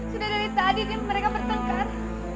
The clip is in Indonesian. sudah dari tadi mereka bertengkar